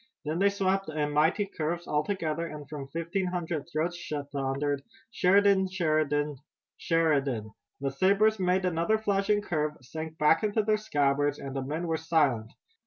Then they swept in mighty curves, all together, and from fifteen hundred throats thundered: "Sheridan! Sheridan! Sheridan!" The sabers made another flashing curve, sank back into their scabbards, and the men were silent.